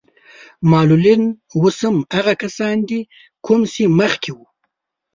معلولين اوس هم هماغه کسان دي کوم چې مخکې وو.